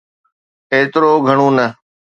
ايترو گھڻو نه.